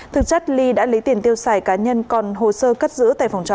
thực chất ly đã lấy tiền tiêu xài cá nhân còn hồ sơ cất giữ tại phòng trọ